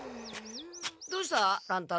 どうした？